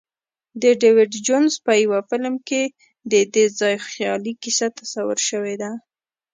د ډیویډ جونز په یوه فلم کې ددې ځای خیالي کیسه تصویر شوې ده.